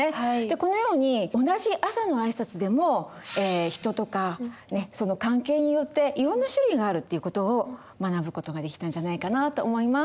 このように同じ朝の挨拶でも人とか関係によっていろんな種類があるっていう事を学ぶ事ができたんじゃないかなと思います。